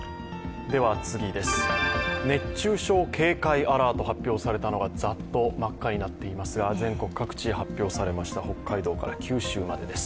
熱中症警戒アラート、発表されたのがざっと、真っ赤になっていますが全国各地、発表されました、北海道から九州までです。